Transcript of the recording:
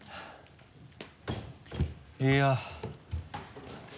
いや。